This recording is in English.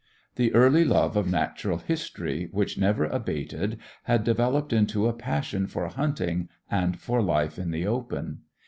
The early love of natural history which never abated had developed into a passion for hunting and for life in the open.